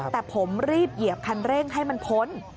แต่ผมรีบเหยียบคันเร่งให้มันพ้น